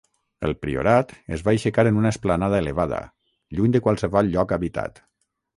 El priorat es va aixecar en una esplanada elevada, lluny de qualsevol lloc habitat.